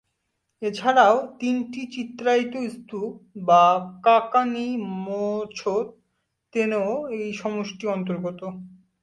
এছাড়াও তিনটি চিত্রায়িত স্তূপ বা কা-কা-নি ম্ছোদ-র্তেনও এই সমষ্টির অন্তর্গত।